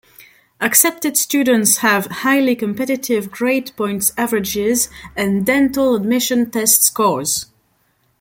Accepted students have highly competitive grade point averages and dental admission test scores.